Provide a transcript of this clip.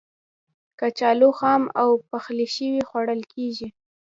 کچالو خام او پخلی شوی خوړل کېږي.